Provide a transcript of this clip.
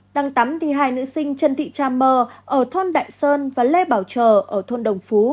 đang tắm thi hai nữ sinh trần thị cha mơ ở thôn đại sơn và lê bảo trờ ở thôn đồng phú